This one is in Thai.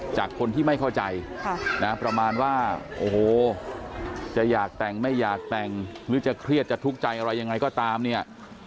จากคนที่ไม่เข้าใจนะประมาณว่าโอ้โหจะอยากแต่งไม่อยากแต่งหรือจะเครียดจะทุกข์ใจอะไรยังไงก็ตามเนี่ย